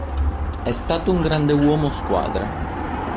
È stato un grande uomo squadra.